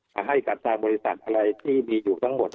ให้กับทางบริษัทอะไรที่มีอยู่ทั้งหมด